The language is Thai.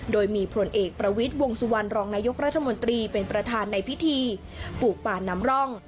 โดยมีผลเอกประวิทย์วงสุวรรณรองนายกรัฐมนตรีเป็นประธานในพิธีปลูกป่านำร่อง